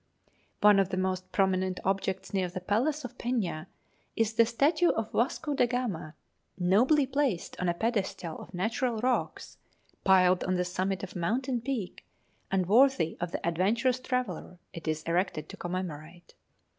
One of the most prominent objects near the Palace of Peña is the statue of Vasco da Gama, nobly placed on a pedestal of natural rocks, piled on the summit of a mountain peak, and worthy of the adventurous traveller it is erected to commemorate.